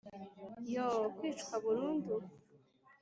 yoo, kwicwa burundu,